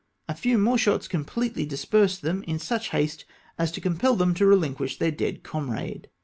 A few more shots completely dispersed them in such haste as to compel them to rehnquish their dead comrade.